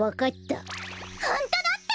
ホントだって！